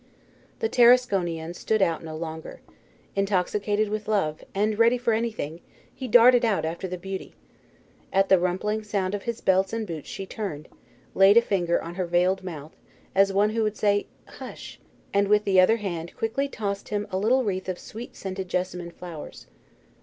The Tarasconian stood out no longer. Intoxicated with love, and ready for anything, he darted out after the beauty. At the rumpling sound of his belts and boots she turned, laid a finger on her veiled mouth, as one who would say, "Hush!" and with the other hand quickly tossed him a little wreath of sweet scented jessamine flowers.